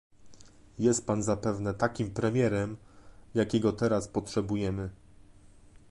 Jest Pan zapewne takim premierem, jakiego teraz potrzebujemy